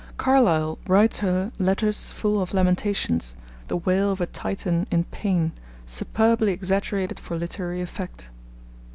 Carlyle writes her letters full of lamentations, the wail of a Titan in pain, superbly exaggerated for literary effect.